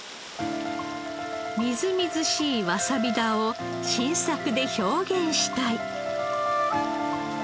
みずみずしいわさび田を新作で表現したい。